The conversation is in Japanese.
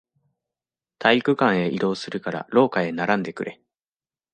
体育館へ移動するから、廊下へ並んでくれ。